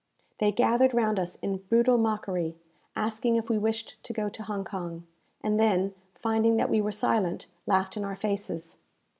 They gathered round us in brutal mockery, asking if we wished to go to Hong Kong; and then, finding that we were silent, laughed in our faces.